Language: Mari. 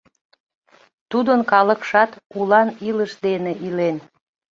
Тудын калыкшат улан илыш дене илен.